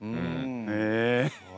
へえ！